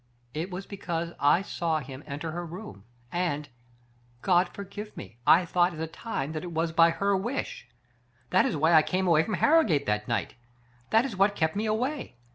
It was because I saw him enter her room, and, God forgive me ! I thought at the time that it was by her wish. That is why I came away from Har rogate that night. That is what kept me away.